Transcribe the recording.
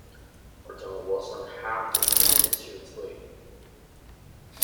Orton was not harmed in any serious way.